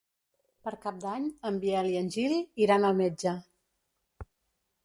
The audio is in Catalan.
Per Cap d'Any en Biel i en Gil iran al metge.